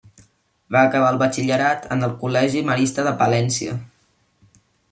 Va acabar el batxillerat en el col·legi Marista de Palència.